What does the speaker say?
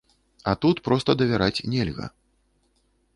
А тут проста давяраць нельга.